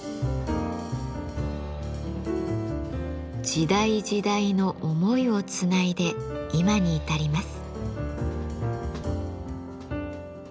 時代時代の思いをつないで今に至ります。